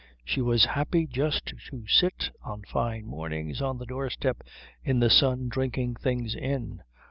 She was happy just to sit on fine mornings on the doorstep in the sun drinking things in.